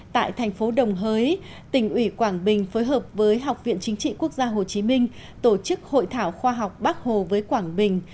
tại thành phố đồng hới tỉnh ủy quảng bình phối hợp với học viện chính trị quốc gia hồ chí minh tổ chức hội thảo khoa học bắc hồ với quảng bình